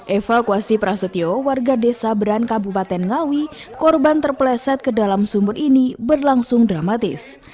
evakuasi prasetyo warga desa beran kabupaten ngawi korban terpleset ke dalam sumur ini berlangsung dramatis